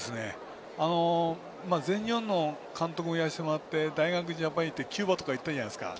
全日本の監督もやらせていただいて大学ジャパンとキューバとか行ったじゃないですか。